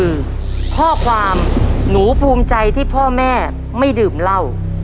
เรื่องนี้ก็คือข้อความหนูภูมิใจที่พ่อแม่ไม่ดื่มเหล้า